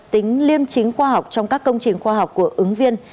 tính liêm chính khoa học trong các công trình khoa học của ứng viên